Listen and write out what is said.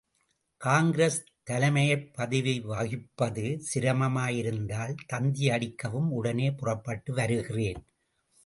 காங்கிரஸ் தலைமைப் பதவி வகிப்பது சிரமமாயிருந்தால் தந்தியடிக்கவும் உடனே புறப்பட்டு வருகிறேன்!